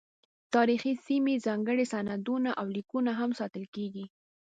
تاریخي سیمې، ځانګړي سندونه او لیکونه هم ساتل کیږي.